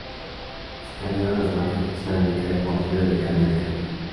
Se cambiaron los marcajes para indicar el modelo y el cambio de calibre.